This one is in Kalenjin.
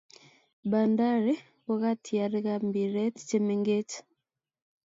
Bandari ko katiarik ab Mpiret che mengej